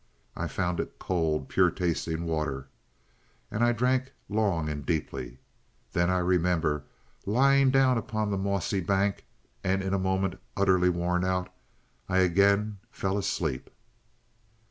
I found it cold, pure tasting water, and I drank long and deeply. Then I remember lying down upon the mossy bank, and in a moment, utterly worn out, I again fell asleep."